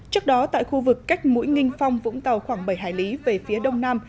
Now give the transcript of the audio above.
trước đó tại khu vực cách mũi nginh phong vũng tàu khoảng bảy hải lý về phía đông nam